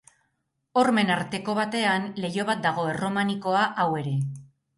Hormen arteko batean leiho bat dago, erromanikoa hau ere.